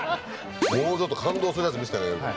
もうちょっと感動するやつ見せてあげる。